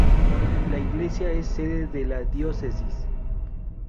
La iglesia es sede de la diócesis.